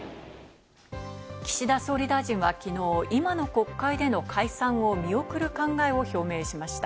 岸田総理大臣はきのう今の国会での解散を見送る考えを表明しました。